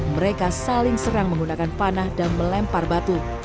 mereka saling serang menggunakan panah dan melempar batu